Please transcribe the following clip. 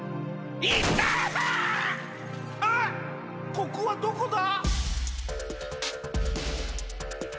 ここはどこだ？